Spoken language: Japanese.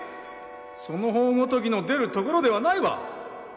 その方ごときの出るところではないわ！